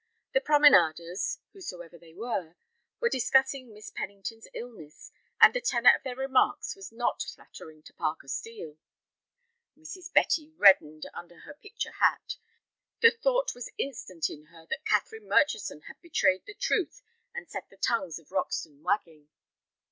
The promenaders, whosoever they were, were discussing Miss Pennington's illness, and the tenor of their remarks was not flattering to Parker Steel. Mrs. Betty reddened under her picture hat. The thought was instant in her that Catherine Murchison had betrayed the truth, and set the tongues of Roxton wagging.